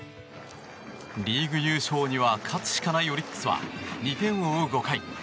リーグ優勝には勝つしかないオリックスは２点を追う５回。